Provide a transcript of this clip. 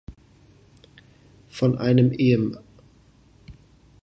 Von einem ehem.